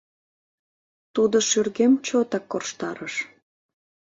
Тудо шӱргем чотак корштарыш.